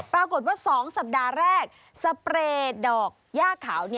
ปรากฏว่า๒สัปดาห์แรกสเปรย์ดอกย่าขาว